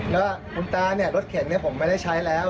แล้วคุณตาเนี่ยรถเข็นผมไม่ได้ใช้แล้ว